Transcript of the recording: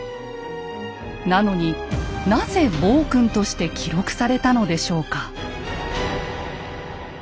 なのになぜ暴君として記録されたのでしょうか？